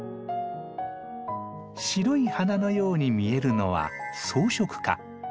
白い花のように見えるのは装飾花。